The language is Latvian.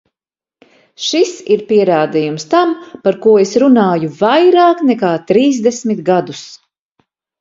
Šis ir pierādījums tam, par ko es runāju vairāk nekā trīsdesmit gadus.